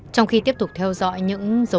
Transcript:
trong khi tiếp tục theo dõi những dấu vết quan trọng